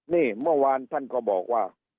นี่เมื่อวานท่านก็บอกว่า